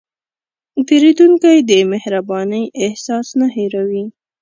پیرودونکی د مهربانۍ احساس نه هېروي.